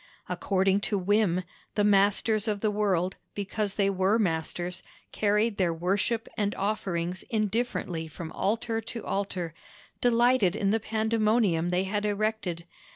According to whim, the masters of the world, because they were masters, carried their worship and offerings indifferently from altar to altar, delighted in the pandemonium they had erected.